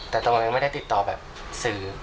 แต่ตัวเองไม่ได้ติดต่อแบบสื่อ